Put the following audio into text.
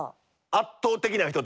圧倒的な。